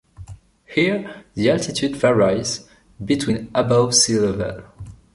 Here, the altitude varies between above sea level.